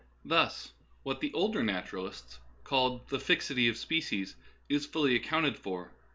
Thus what the older naturalists called the '' fixity of species " is fully accounted for.